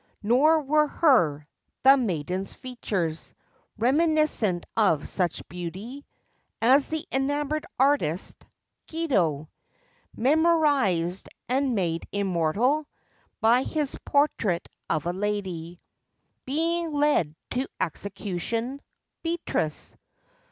Nor were her—the maiden's—features Reminiscent of such beauty, As the enamored artist, Guido, Memorized and made immortal By his portrait of a lady Being led to execution— Beatrice.